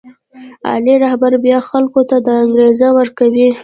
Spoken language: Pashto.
عالي رهبر بیا خلکو ته دا انګېزه ورکوي.